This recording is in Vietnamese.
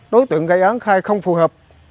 đối tượng gây án khai không phù hợp